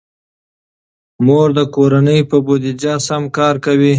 مور د کورنۍ په بودیجه سم کار کوي.